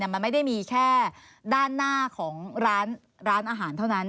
มันไม่ได้มีแค่ด้านหน้าของร้านอาหารเท่านั้น